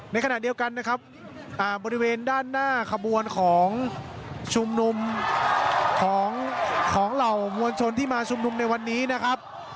ในขณะเดียวกันนะครับบริเวณด้านหน้าขบวนของชุมนุมของเหล่ามวลชนที่มาชุมนุมในวันนี้นะครับ